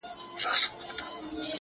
و تاته د جنت حوري غلمان مبارک ـ